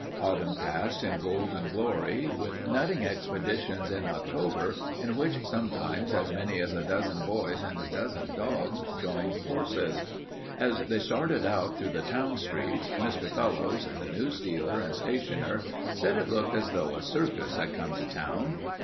Autumn passed in golden glory, with nutting expeditions in October in which sometimes as many as a dozen boys and a dozen dogs joined forces. As they started out through the town streets, Mr. Fellowes, the news dealer and stationer, said it looked as though a circus had come to town.